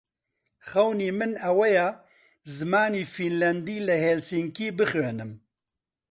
خەونی من ئەوەیە زمانی فینلاندی لە هێلسینکی بخوێنم.